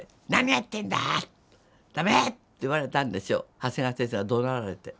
長谷川先生がどなられて。